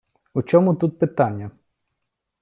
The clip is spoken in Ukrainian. У чому тут питання?